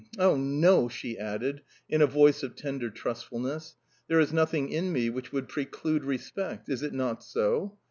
Oh, no!" she added, in a voice of tender trustfulness; "there is nothing in me which would preclude respect; is it not so?